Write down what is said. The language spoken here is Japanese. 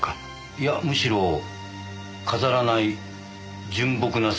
いやむしろ飾らない純朴な青年でした。